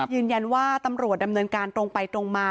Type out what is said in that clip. ยืนยันว่าตำรวจดำเนินการตรงไปตรงมา